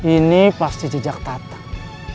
ini pasti jejak tatang